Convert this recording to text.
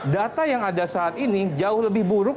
data yang ada saat ini jauh lebih buruk